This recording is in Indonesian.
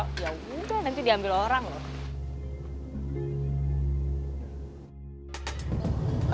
udah nanti diambil orang loh